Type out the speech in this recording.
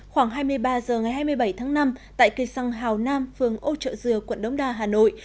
khoảng hai mươi ba h ngày hai mươi bảy tháng năm tại cây xăng hào nam phường âu trợ dừa quận đống đa hà nội